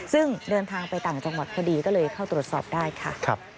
ซึ่งเดินทางไปต่างจังหวัดพอดีก็เลยเข้าตรวจสอบได้ค่ะ